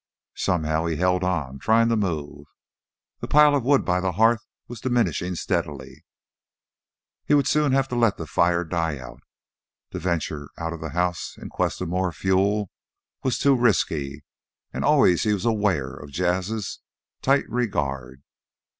Somehow he held on, trying to move. The pile of wood by the hearth was diminishing steadily. He would soon have to let the fire die out. To venture out of the house in quest of more fuel was too risky. And always he was aware of Jas's tight regard.